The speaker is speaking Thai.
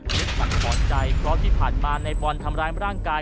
สังหรณ์ใจเพราะที่ผ่านมาในบอลทำร้ายร่างกาย